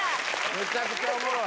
めちゃくちゃおもろい。